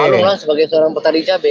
malanglah sebagai seorang petani cabe